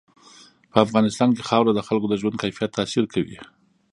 په افغانستان کې خاوره د خلکو د ژوند کیفیت تاثیر کوي.